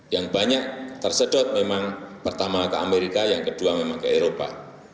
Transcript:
yang banyak tersedot memang pertama ke amerika yang kedua memang ke eropa